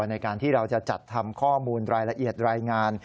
ในการที่เราจะจัดทำข้อมูลรายละเอียดรายงาน